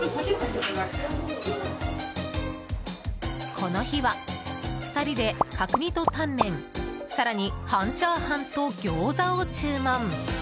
この日は２人で角煮とタンメン更に半チャーハンとギョーザを注文。